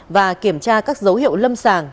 và kiểm tra các dấu hiệu lâm sàng